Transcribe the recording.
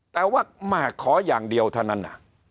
แต่ว่าแม่ขออย่างเดียวเท่านั้น